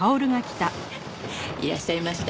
いらっしゃいましたよ。